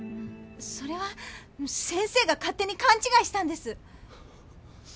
それは先生が勝手にかんちがいしたんです。